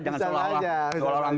jangan salah orang